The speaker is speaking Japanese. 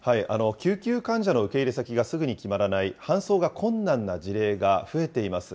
救急患者の受け入れ先がすぐに決まらない、搬送が困難な事例が増えています。